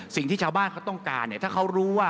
สิ่งที่ชาวบ้านเขาต้องการเนี่ยถ้าเขารู้ว่า